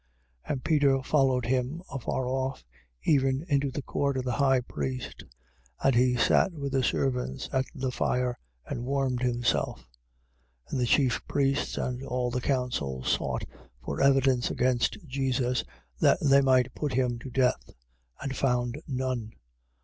And Peter followed him afar off, even into the court of the high priest. And he sat with the servants at the fire and warmed himself. 14:55. And the chief priests and all the council sought for evidence against Jesus, that they might put him to death: and found none.